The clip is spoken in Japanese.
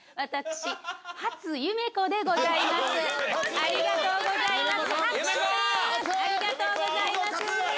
ありがとうございます。